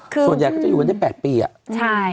ส่วนใหญ่เขาจะอยู่กันได้๘ปีอ่ะใช่